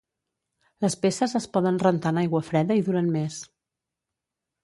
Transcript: Les peces es poden rentar en aigua freda i duren més.